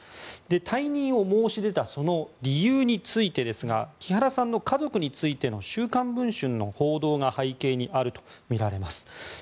退任を申し出たその理由についてですが木原さんの家族についての「週刊文春」の報道が背景にあるとみられます。